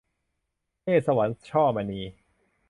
เล่ห์สวรรค์ - ช่อมณี